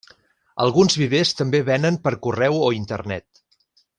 Alguns vivers també venen per correu o internet.